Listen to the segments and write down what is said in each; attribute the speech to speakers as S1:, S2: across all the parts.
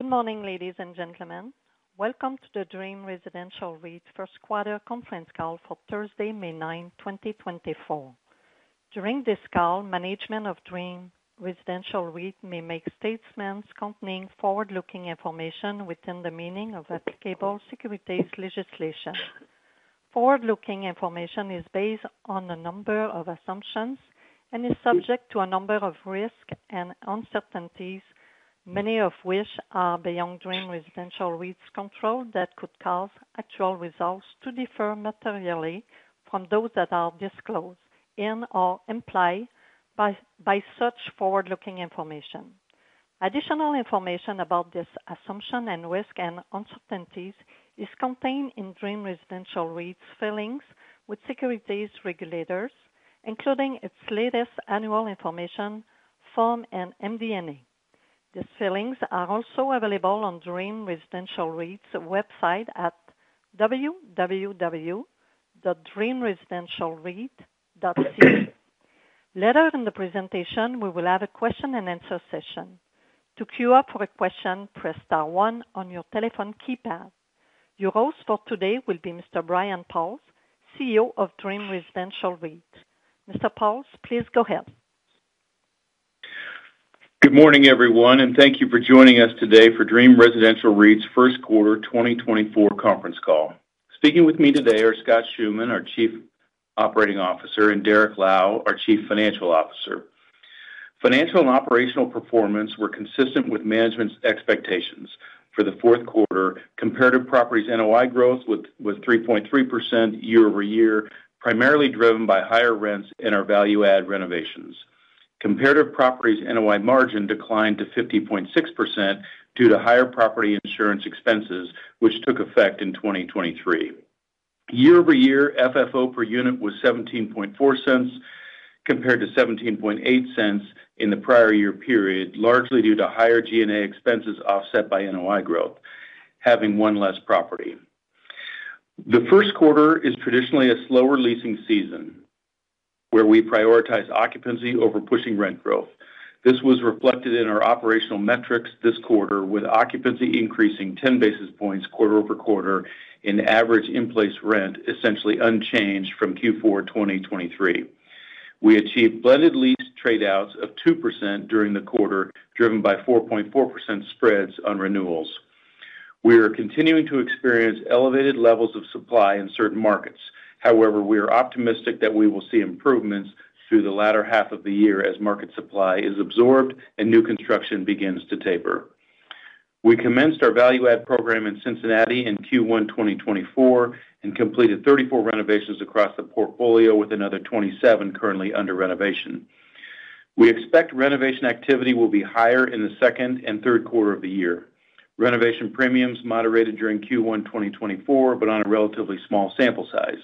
S1: Good morning, ladies and gentlemen. Welcome to the Dream Residential REIT First Quarter Conference Call for Thursday, May 9, 2024. During this call, management of Dream Residential REIT may make statements containing forward-looking information within the meaning of applicable securities legislation. Forward-looking information is based on a number of assumptions and is subject to a number of risks and uncertainties, many of which are beyond Dream Residential REIT's control that could cause actual results to differ materially from those that are disclosed in or implied by such forward-looking information. Additional information about these assumptions and risks and uncertainties is contained in Dream Residential REIT's filings with securities regulators, including its latest annual information form and MD&A. These filings are also available on Dream Residential REIT's website at www.dreamresidentialreit.ca. Later in the presentation, we will have a question-and-answer session. To queue up for a question, press star 1 on your telephone keypad. Your host for today will be Mr. Brian Pauls, CEO of Dream Residential REIT. Mr. Pauls, please go ahead.
S2: Good morning, everyone, and thank you for joining us today for Dream Residential REIT's First Quarter 2024 Conference Call. Speaking with me today are Scott Schoeman, our Chief Operating Officer, and Derrick Lau, our Chief Financial Officer. Financial and operational performance were consistent with management's expectations. For the fourth quarter, Comparative Properties NOI growth was 3.3% year-over-year, primarily driven by higher rents and our value-add renovations. Comparative Properties NOI margin declined to 50.6% due to higher property insurance expenses, which took effect in 2023. Year-over-year, FFO per unit was $0.174 compared to $0.178 in the prior year period, largely due to higher G&A expenses offset by NOI growth, having one less property. The first quarter is traditionally a slower leasing season, where we prioritize occupancy over pushing rent growth. This was reflected in our operational metrics this quarter, with occupancy increasing 10 basis points quarter-over-quarter in average in-place rent, essentially unchanged from Q4 2023. We achieved blended lease tradeouts of 2% during the quarter, driven by 4.4% spreads on renewals. We are continuing to experience elevated levels of supply in certain markets. However, we are optimistic that we will see improvements through the latter half of the year as market supply is absorbed and new construction begins to taper. We commenced our value-add program in Cincinnati in Q1 2024 and completed 34 renovations across the portfolio, with another 27 currently under renovation. We expect renovation activity will be higher in the second and third quarter of the year. Renovation premiums moderated during Q1 2024, but on a relatively small sample size.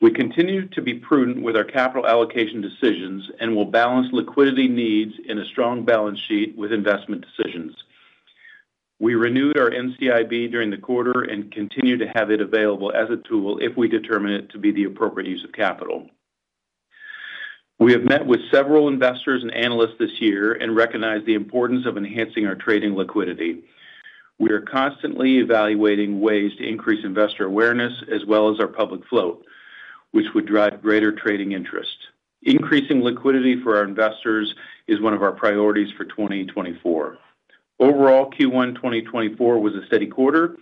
S2: We continue to be prudent with our capital allocation decisions and will balance liquidity needs in a strong balance sheet with investment decisions. We renewed our NCIB during the quarter and continue to have it available as a tool if we determine it to be the appropriate use of capital. We have met with several investors and analysts this year and recognized the importance of enhancing our trading liquidity. We are constantly evaluating ways to increase investor awareness, as well as our public float, which would drive greater trading interest. Increasing liquidity for our investors is one of our priorities for 2024. Overall, Q1 2024 was a steady quarter.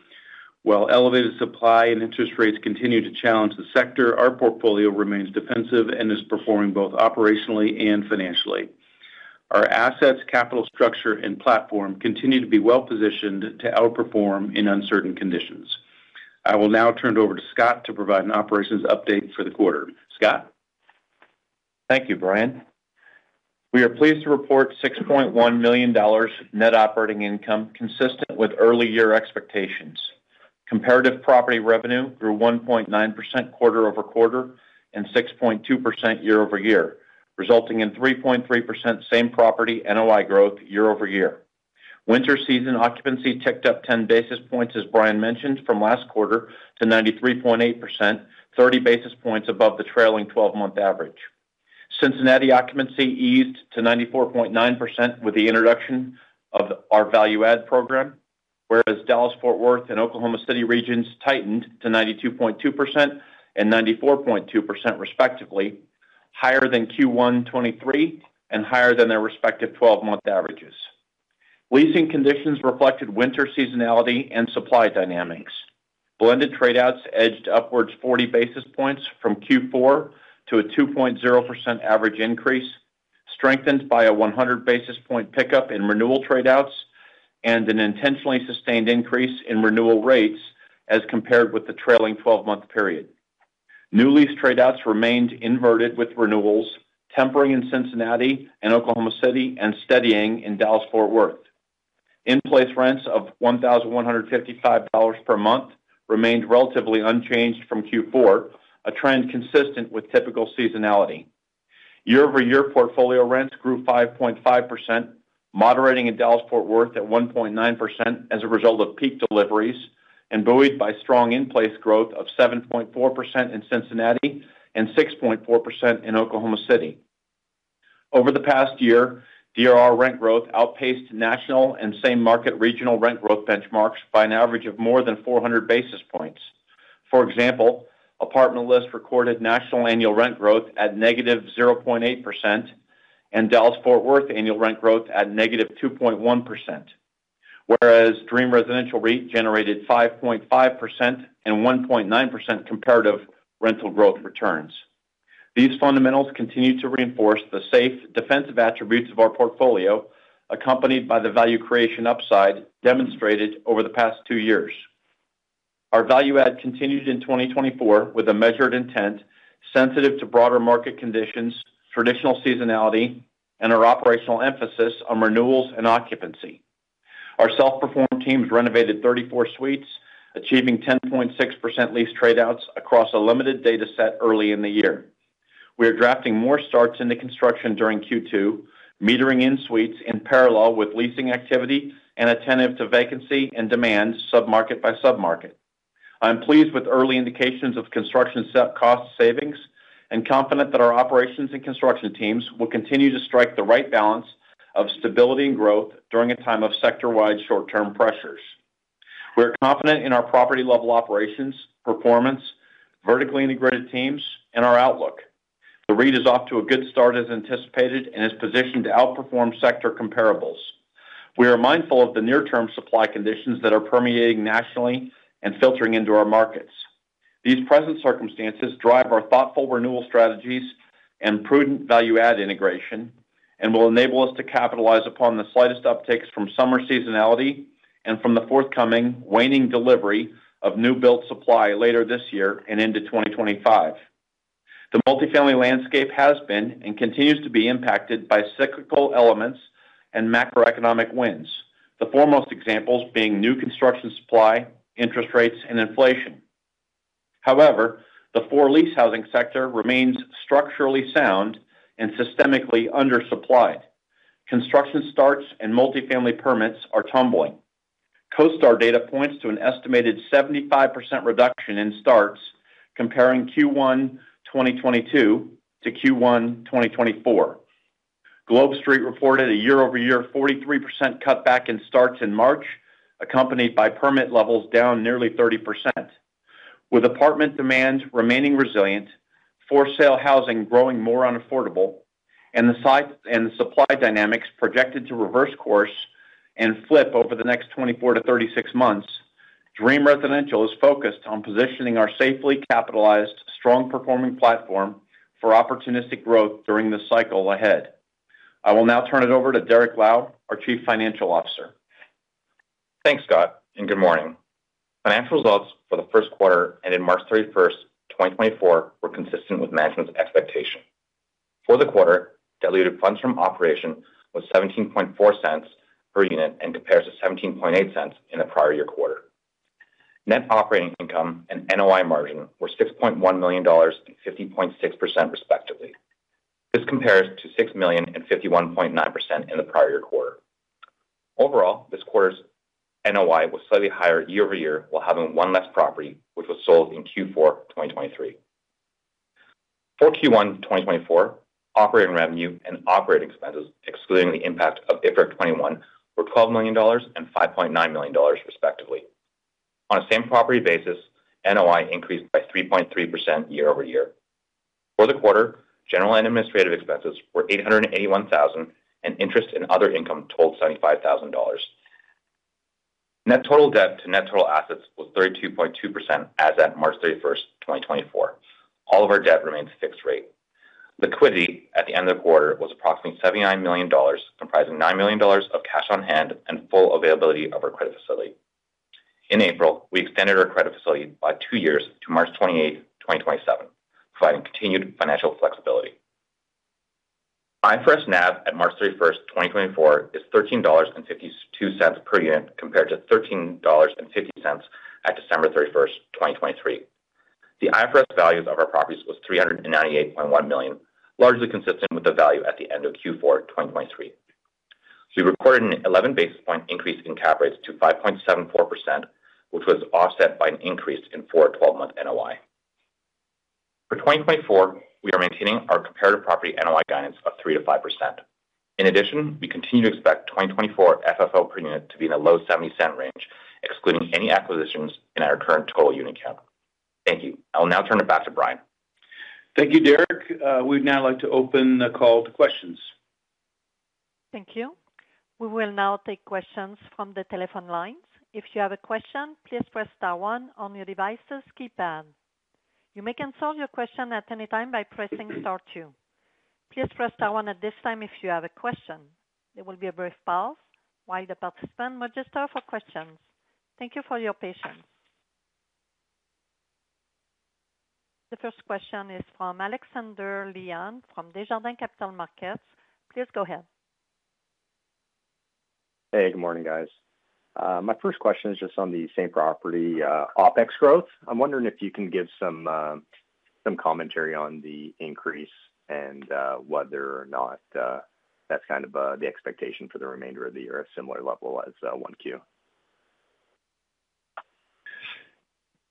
S2: While elevated supply and interest rates continue to challenge the sector, our portfolio remains defensive and is performing both operationally and financially. Our assets, capital structure, and platform continue to be well-positioned to outperform in uncertain conditions. I will now turn it over to Scott to provide an operations update for the quarter. Scott?
S3: Thank you, Brian. We are pleased to report $6.1 million net operating income consistent with early-year expectations. Comparative Property Revenue grew 1.9% quarter over quarter and 6.2% year over year, resulting in 3.3% same property NOI growth year over year. Winter season occupancy ticked up 10 basis points, as Brian mentioned, from last quarter to 93.8%, 30 basis points above the trailing 12-month average. Cincinnati occupancy eased to 94.9% with the introduction of our value-add program, whereas Dallas, Fort Worth, and Oklahoma City regions tightened to 92.2% and 94.2%, respectively, higher than Q1 2023 and higher than their respective 12-month averages. Leasing conditions reflected winter seasonality and supply dynamics. Blended tradeouts edged upwards 40 basis points from Q4 to a 2.0% average increase, strengthened by a 100 basis point pickup in renewal tradeouts and an intentionally sustained increase in renewal rates as compared with the trailing 12-month period. New lease tradeouts remained inverted with renewals, tempering in Cincinnati and Oklahoma City and steadying in Dallas, Fort Worth. In-place rents of $1,155 per month remained relatively unchanged from Q4, a trend consistent with typical seasonality. Year-over-year, portfolio rents grew 5.5%, moderating in Dallas, Fort Worth at 1.9% as a result of peak deliveries and buoyed by strong in-place growth of 7.4% in Cincinnati and 6.4% in Oklahoma City. Over the past year, DRR rent growth outpaced national and same-market regional rent growth benchmarks by an average of more than 400 basis points. For example, Apartment List recorded national annual rent growth at -0.8% and Dallas, Fort Worth annual rent growth at -2.1%, whereas Dream Residential REIT generated 5.5% and 1.9% comparative rental growth returns. These fundamentals continue to reinforce the safe, defensive attributes of our portfolio, accompanied by the value creation upside demonstrated over the past two years. Our value-add continued in 2024 with a measured intent, sensitive to broader market conditions, traditional seasonality, and our operational emphasis on renewals and occupancy. Our self-performed teams renovated 34 suites, achieving 10.6% lease tradeouts across a limited dataset early in the year. We are drafting more starts into construction during Q2, metering in suites in parallel with leasing activity and attentive to vacancy and demand submarket by submarket. I am pleased with early indications of construction set cost savings and confident that our operations and construction teams will continue to strike the right balance of stability and growth during a time of sector-wide short-term pressures. We are confident in our property-level operations, performance, vertically integrated teams, and our outlook. The REIT is off to a good start as anticipated and is positioned to outperform sector comparables. We are mindful of the near-term supply conditions that are permeating nationally and filtering into our markets. These present circumstances drive our thoughtful renewal strategies and prudent value-add integration and will enable us to capitalize upon the slightest upticks from summer seasonality and from the forthcoming waning delivery of new-built supply later this year and into 2025. The multifamily landscape has been and continues to be impacted by cyclical elements and macroeconomic winds, the foremost examples being new construction supply, interest rates, and inflation. However, the for-lease housing sector remains structurally sound and systemically undersupplied. Construction starts and multifamily permits are tumbling. CoStar data points to an estimated 75% reduction in starts comparing Q1 2022 to Q1 2024. Globe Street reported a year-over-year 43% cutback in starts in March, accompanied by permit levels down nearly 30%. With apartment demand remaining resilient, for-sale housing growing more unaffordable, and the supply dynamics projected to reverse course and flip over the next 24-36 months, Dream Residential is focused on positioning our safely capitalized, strong-performing platform for opportunistic growth during the cycle ahead. I will now turn it over to Derrick Lau, our Chief Financial Officer.
S4: Thanks, Scott, and good morning. Financial results for the first quarter ended March 31, 2024, were consistent with management's expectation. For the quarter, diluted funds from operations was $0.174 per unit and compares to $0.178 in the prior-year quarter. Net operating income and NOI margin were $6.1 million and 50.6%, respectively. This compares to $6 million and 51.9% in the prior-year quarter. Overall, this quarter's NOI was slightly higher year-over-year while having one less property, which was sold in Q4 2023. For Q1 2024, operating revenue and operating expenses, excluding the impact of IFRS 16, were $12 million and $5.9 million, respectively. On a same-property basis, NOI increased by 3.3% year-over-year. For the quarter, general and administrative expenses were $881,000 and interest and other income totaled $75,000. Net total debt to net total assets was 32.2% as at March 31, 2024. All of our debt remains fixed rate. Liquidity at the end of the quarter was approximately $79 million, comprising $9 million of cash on hand and full availability of our credit facility. In April, we extended our credit facility by two years to March 28, 2027, providing continued financial flexibility. IFRS NAV at March 31, 2024, is $13.52 per unit compared to $13.50 at December 31, 2023. The IFRS value of our properties was $398.1 million, largely consistent with the value at the end of Q4 2023. We recorded an 11 basis-point increase in cap rates to 5.74%, which was offset by an increase in forward 12-month NOI. For 2024, we are maintaining our Comparative Property NOI guidance of 3%-5%. In addition, we continue to expect 2024 FFO per unit to be in a low $0.70 range, excluding any acquisitions in our current total unit count. Thank you. I will now turn it back to Brian.
S2: Thank you, Derrick. We would now like to open the call to questions.
S1: Thank you. We will now take questions from the telephone lines. If you have a question, please press star 1 on your device's keypad. You may answer your question at any time by pressing star 2. Please press star 1 at this time if you have a question. There will be a brief pause while the participants register for questions. Thank you for your patience. The first question is from Alexander Leon from Desjardins Capital Markets. Please go ahead.
S5: Hey, good morning, guys. My first question is just on the same-property OpEx growth. I'm wondering if you can give some commentary on the increase and whether or not that's kind of the expectation for the remainder of the year at a similar level as 1Q.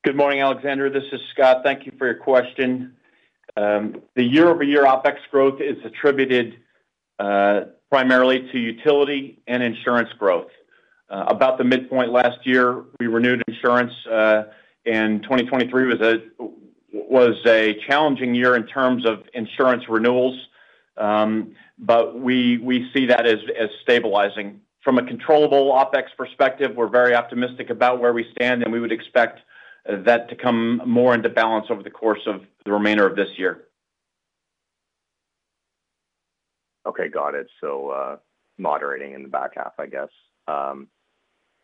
S3: Good morning, Alexander. This is Scott. Thank you for your question. The year-over-year OpEx growth is attributed primarily to utility and insurance growth. About the midpoint last year, we renewed insurance, and 2023 was a challenging year in terms of insurance renewals, but we see that as stabilizing. From a controllable OpEx perspective, we're very optimistic about where we stand, and we would expect that to come more into balance over the course of the remainder of this year.
S5: Okay, got it. So moderating in the back half, I guess.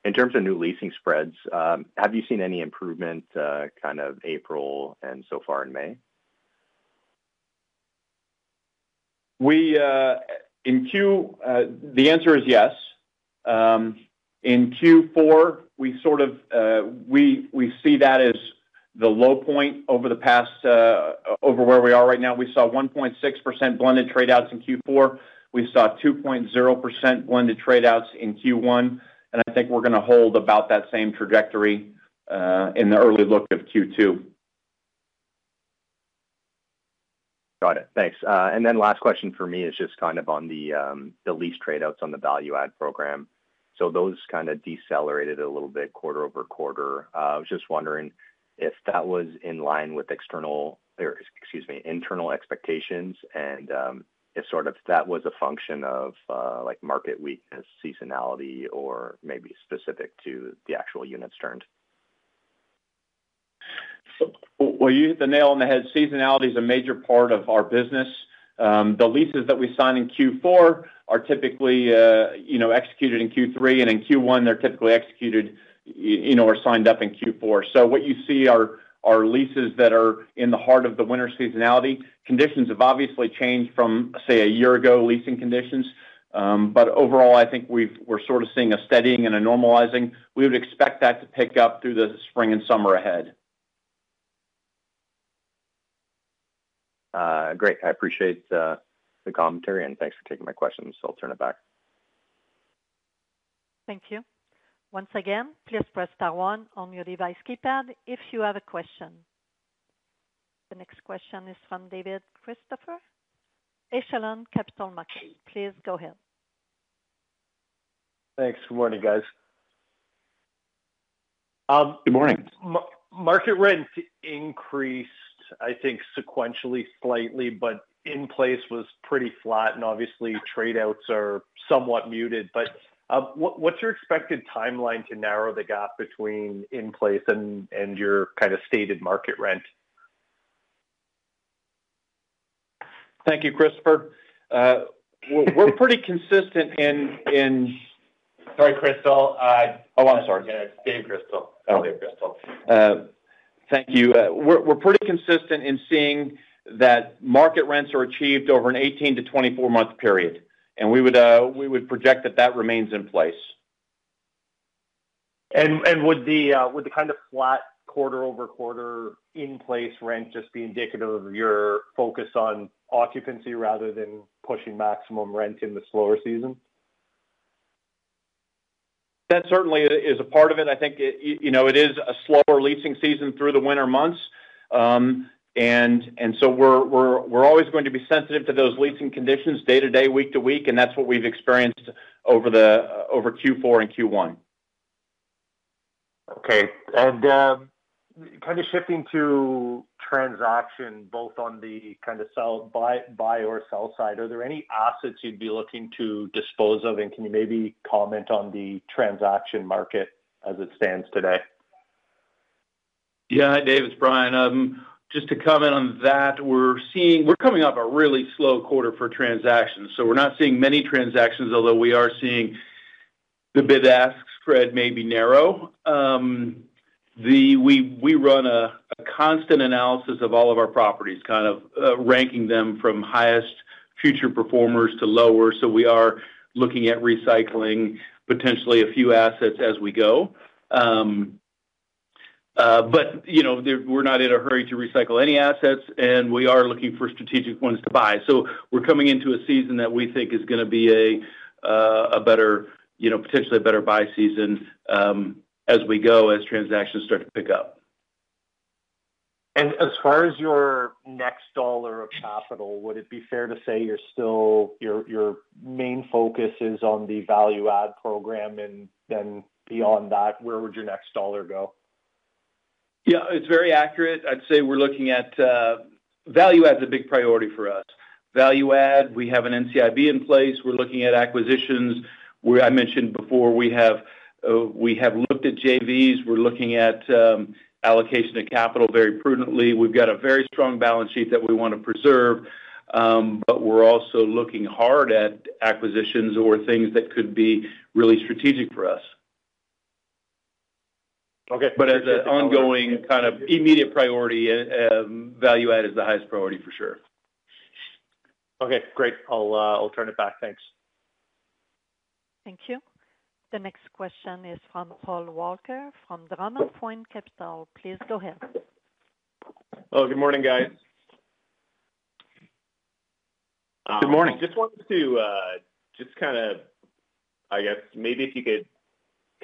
S5: In terms of new leasing spreads, have you seen any improvement kind of April and so far in May?
S3: In Q2, the answer is yes. In Q4, we sort of see that as the low point over the past where we are right now. We saw 1.6% blended tradeouts in Q4. We saw 2.0% blended tradeouts in Q1, and I think we're going to hold about that same trajectory in the early look of Q2.
S5: Got it. Thanks. And then last question for me is just kind of on the lease tradeouts on the value-add program. So those kind of decelerated a little bit quarter-over-quarter. I was just wondering if that was in line with external or excuse me, internal expectations and if sort of that was a function of market weakness, seasonality, or maybe specific to the actual units turned.
S3: Well, you hit the nail on the head. Seasonality is a major part of our business. The leases that we sign in Q4 are typically executed in Q3, and in Q1, they're typically executed or signed up in Q4. So what you see are leases that are in the heart of the winter seasonality. Conditions have obviously changed from, say, a year ago leasing conditions, but overall, I think we're sort of seeing a steadying and a normalizing. We would expect that to pick up through the spring and summer ahead.
S5: Great. I appreciate the commentary, and thanks for taking my questions. I'll turn it back.
S1: Thank you. Once again, please press star 1 on your device keypad if you have a question. The next question is from David Chrystal, Echelon Capital Markets. Please go ahead.
S6: Thanks. Good morning, guys.
S2: Good morning.
S6: Market rent increased, I think, sequentially slightly, but in place was pretty flat, and obviously, tradeouts are somewhat muted. But what's your expected timeline to narrow the gap between in place and your kind of stated market rent?
S2: Thank you, Christopher. We're pretty consistent in sorry, Chrystal. Oh, I'm sorry.
S6: Yeah, it's David Chrystal.
S2: Oh, Dave Chrystal.
S3: Thank you. We're pretty consistent in seeing that market rents are achieved over an 18-24-month period, and we would project that that remains in place.
S6: Would the kind of flat quarter-over-quarter in place rent just be indicative of your focus on occupancy rather than pushing maximum rent in the slower season?
S3: That certainly is a part of it. I think it is a slower leasing season through the winter months, and so we're always going to be sensitive to those leasing conditions day to day, week to week, and that's what we've experienced over Q4 and Q1.
S6: Okay. Kind of shifting to transaction, both on the kind of buy or sell side, are there any assets you'd be looking to dispose of? Can you maybe comment on the transaction market as it stands today?
S2: Yeah, hi, Dave. It's Brian. Just to comment on that, we're coming off a really slow quarter for transactions, so we're not seeing many transactions, although we are seeing the bid-ask spread maybe narrow. We run a constant analysis of all of our properties, kind of ranking them from highest future performers to lower. So we are looking at recycling potentially a few assets as we go. But we're not in a hurry to recycle any assets, and we are looking for strategic ones to buy. So we're coming into a season that we think is going to be potentially a better buy season as we go, as transactions start to pick up.
S6: As far as your next dollar of capital, would it be fair to say your main focus is on the value-add program, and then beyond that, where would your next dollar go?
S2: Yeah, it's very accurate. I'd say we're looking at value-add is a big priority for us. Value-add, we have an NCIB in place. We're looking at acquisitions. I mentioned before, we have looked at JVs. We're looking at allocation of capital very prudently. We've got a very strong balance sheet that we want to preserve, but we're also looking hard at acquisitions or things that could be really strategic for us. But as an ongoing kind of immediate priority, value-add is the highest priority for sure.
S6: Okay, great. I'll turn it back. Thanks.
S1: Thank you. The next question is from Paul Walker from Dromara Point Capital. Please go ahead.
S7: Oh, good morning, guys.
S2: Good morning.
S7: I just wanted to just kind of, I guess, maybe if you could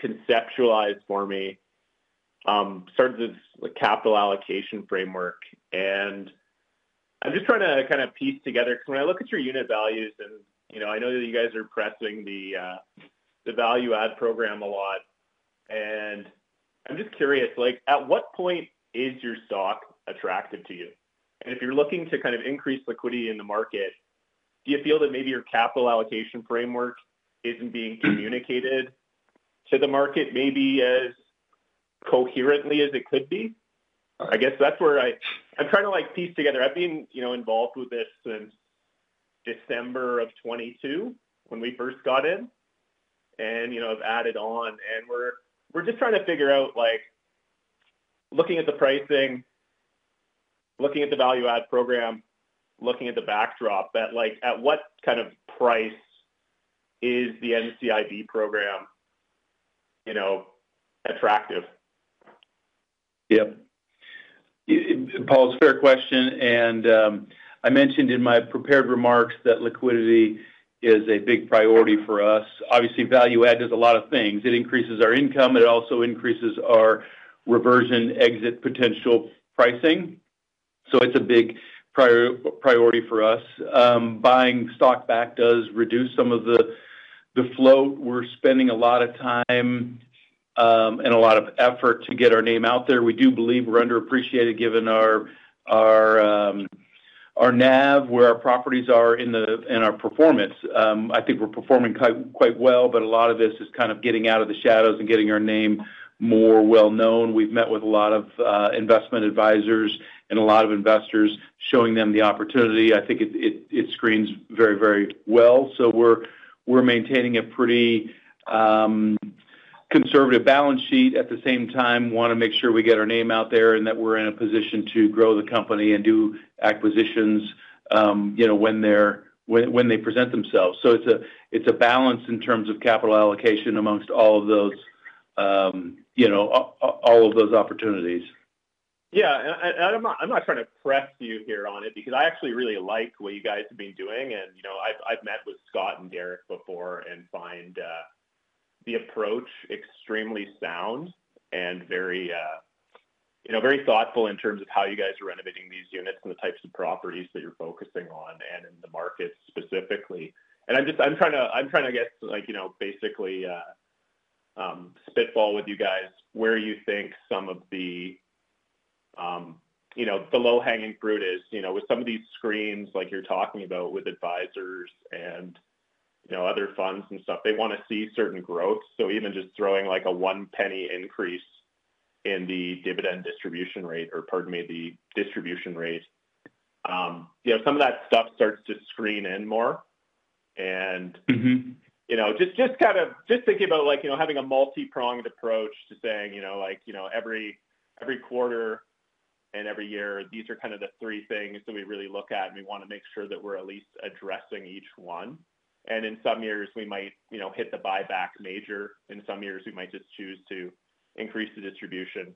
S7: conceptualize for me sort of this capital allocation framework. I'm just trying to kind of piece together because when I look at your unit values, and I know that you guys are pressing the value-add program a lot, and I'm just curious, at what point is your stock attractive to you? If you're looking to kind of increase liquidity in the market, do you feel that maybe your capital allocation framework isn't being communicated to the market maybe as coherently as it could be? I guess that's where I'm trying to piece together. I've been involved with this since December of 2022 when we first got in, and I've added on. We're just trying to figure out, looking at the pricing, looking at the value-add program, looking at the backdrop, at what kind of price is the NCIB program attractive?
S2: Yep. Paul, it's a fair question. And I mentioned in my prepared remarks that liquidity is a big priority for us. Obviously, value-add does a lot of things. It increases our income, and it also increases our reversion exit potential pricing. So it's a big priority for us. Buying stock back does reduce some of the float. We're spending a lot of time and a lot of effort to get our name out there. We do believe we're underappreciated given our NAV, where our properties are, and our performance. I think we're performing quite well, but a lot of this is kind of getting out of the shadows and getting our name more well-known. We've met with a lot of investment advisors and a lot of investors showing them the opportunity. I think it screens very, very well. So we're maintaining a pretty conservative balance sheet. At the same time, want to make sure we get our name out there and that we're in a position to grow the company and do acquisitions when they present themselves. So it's a balance in terms of capital allocation among all of those opportunities.
S7: Yeah. And I'm not trying to press you here on it because I actually really like what you guys have been doing. And I've met with Scott and Derrick before and find the approach extremely sound and very thoughtful in terms of how you guys are renovating these units and the types of properties that you're focusing on and in the market specifically. And I'm trying to, I guess, basically spitball with you guys where you think some of the low-hanging fruit is. With some of these screens like you're talking about with advisors and other funds and stuff, they want to see certain growth. So even just throwing a one-penny increase in the dividend distribution rate or, pardon me, the distribution rate, some of that stuff starts to screen in more. And just kind of thinking about having a multi-pronged approach to saying, "Every quarter and every year, these are kind of the three things that we really look at, and we want to make sure that we're at least addressing each one." And in some years, we might hit the buyback major. In some years, we might just choose to increase the distribution.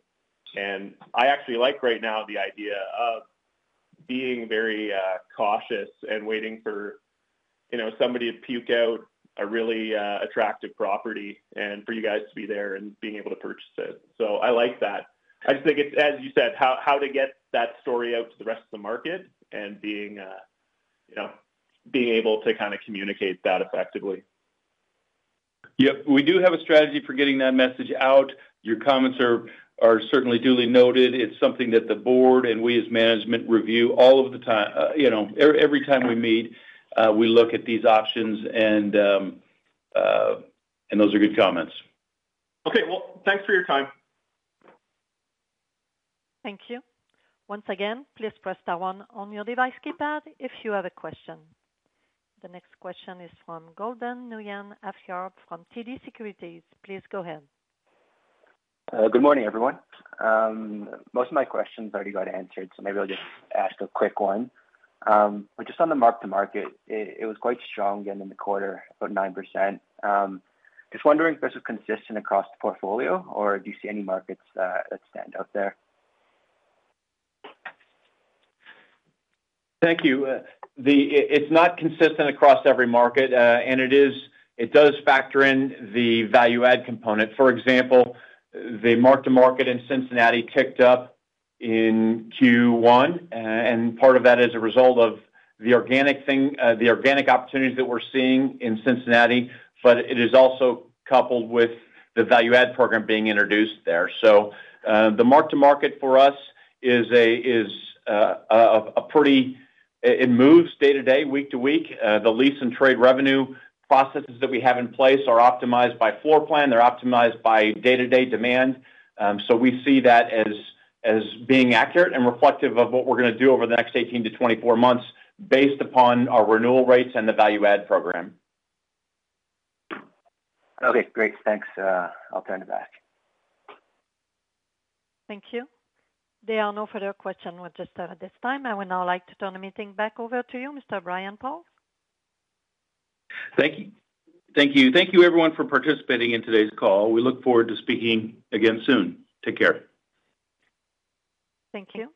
S7: And I actually like right now the idea of being very cautious and waiting for somebody to puke out a really attractive property and for you guys to be there and being able to purchase it. So I like that. I just think it's, as you said, how to get that story out to the rest of the market and being able to kind of communicate that effectively.
S2: Yep. We do have a strategy for getting that message out. Your comments are certainly duly noted. It's something that the board and we as management review all of the time. Every time we meet, we look at these options, and those are good comments.
S7: Okay. Well, thanks for your time.
S1: Thank you. Once again, please press star 1 on your device keypad if you have a question. The next question is from Gordon Nguyen from TD Securities. Please go ahead.
S8: Good morning, everyone. Most of my questions already got answered, so maybe I'll just ask a quick one. But just on the mark-to-market, it was quite strong ending the quarter, about 9%. Just wondering if this is consistent across the portfolio, or do you see any markets that stand out there?
S2: Thank you. It's not consistent across every market, and it does factor in the value-add component. For example, the mark-to-market in Cincinnati ticked up in Q1, and part of that is a result of the organic opportunities that we're seeing in Cincinnati, but it is also coupled with the value-add program being introduced there. So the mark-to-market for us is pretty. It moves day to day, week to week. The lease and trade revenue processes that we have in place are optimized by floor plan. They're optimized by day-to-day demand. So we see that as being accurate and reflective of what we're going to do over the next 18-24 months based upon our renewal rates and the value-add program.
S8: Okay. Great. Thanks. I'll turn it back.
S1: Thank you. There are no further questions. We'll just have at this time. I would now like to turn the meeting back over to you, Mr. Brian Pauls.
S2: Thank you. Thank you. Thank you, everyone, for participating in today's call. We look forward to speaking again soon. Take care.
S1: Thank you.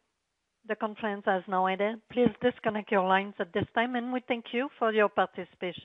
S1: The conference has now ended. Please disconnect your lines at this time, and we thank you for your participation.